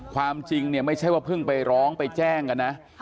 ความจริงเนี่ยไม่ใช่ว่าเพิ่งไปร้องไปแจ้งกันนะ